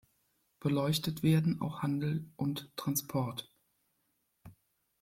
Beleuchtet werden auch Handel und Transport.